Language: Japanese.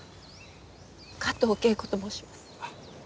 加藤啓子と申します。